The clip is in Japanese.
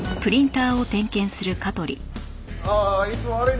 ああいつも悪いね。